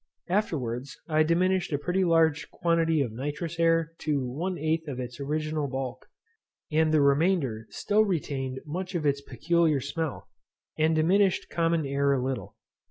Afterwards I diminished a pretty large quantity of nitrous air to one eighth of its original bulk, and the remainder still retained much of its peculiar smell, and diminished common air a little.